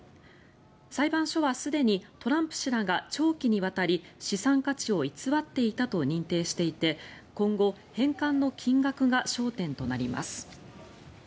裁判所はすでにトランプ氏らが長期にわたり資産価値を偽っていたと認定していて今後、返還の金額が焦点となります。